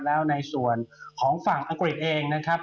แล้วในส่วนของฝั่งอังกฤษเองนะครับ